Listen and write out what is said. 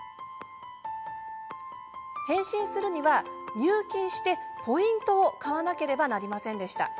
返信するには入金してポイントを買わなければなりませんでした。